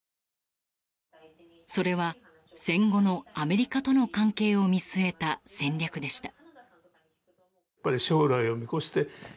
それは戦後のアメリカとの関係を見据えた戦略でした。